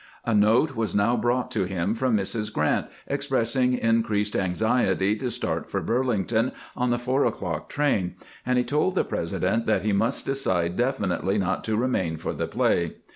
A note was 32 498 CAMPAIGNING WITH GRANT now brought to Mm from Mrs. Grrant expressing in creased anxiety to start for Burlington on the four o'clock train, and he told the President that he must decide definitely not to remain for the play.